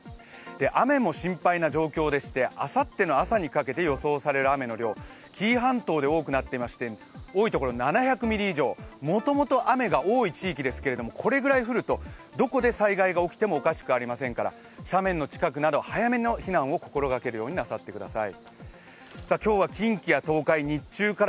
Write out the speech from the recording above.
雨も心配な状況でして、あさっての朝にかけて予想される雨の量、紀伊半島で多くなっていまして多い所で７００ミリ以上もともと雨が多い地域ですけれども、これぐらい降ると、どこで災害が起きてもおかしくないですから斜面の近くなど早めの避難を心がけるようにしてください。